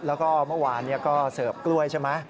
แล้วก็เมื่อวานก็เสิร์ฟกล้วยใช่ไหม